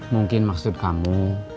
mungkin maksud kamu